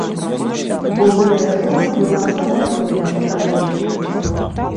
Бо гэтая зона была забаронена для палётаў.